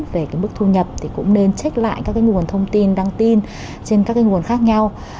về bức thu nhập thì cũng nên check lại các nguồn thông tin đăng tin trên các nguồn khác nhau